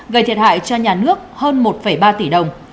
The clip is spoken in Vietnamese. gây thiệt hại cho nhà nước hơn một ba tỷ đồng